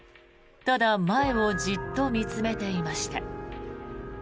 ただ前をじっと見つめていました。